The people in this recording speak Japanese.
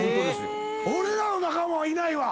俺らの仲間はいないわ。